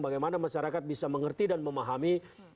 bagaimana masyarakat bisa mengerti dan memahami